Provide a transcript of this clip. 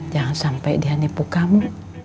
jangan sampai dia nipu kamu